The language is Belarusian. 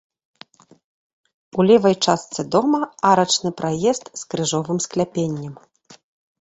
У левай частцы дома арачны праезд з крыжовым скляпеннем.